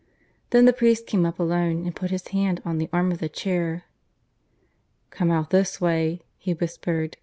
Then the priest came up alone and put his hand on the arm of the chair. "Come out this way," he whispered.